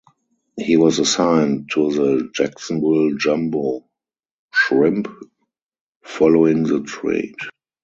He was assigned to the Jacksonville Jumbo Shrimp following the trade.